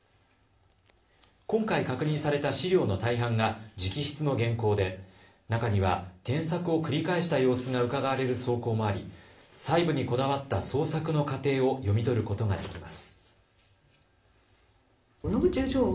今回確認された資料の大半が直筆の原稿で中には、添削を繰り返した様子がうかがわれる草稿もあり細部にこだわった創作の過程を読み取ることができます。